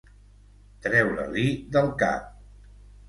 Treure-li del cap.